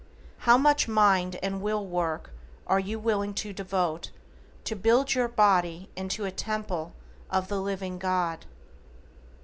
How much MIND AND WILL WORK are you willing to devote to build your body into a Temple of the living God?